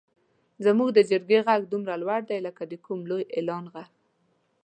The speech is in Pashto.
زموږ د چرګې غږ دومره لوړ دی لکه د کوم لوی اعلان غږ.